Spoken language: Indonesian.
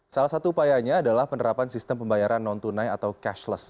salah satu upayanya adalah penerapan sistem pembayaran non tunai atau cashless